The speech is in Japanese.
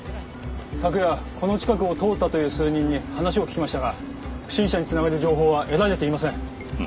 昨夜この近くを通ったという数人に話を聞きましたが不審者に繋がる情報は得られていません。